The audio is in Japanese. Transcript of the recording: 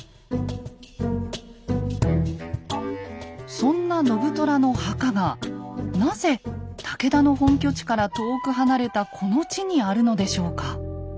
そんな信虎の墓がなぜ武田の本拠地から遠く離れたこの地にあるのでしょうか？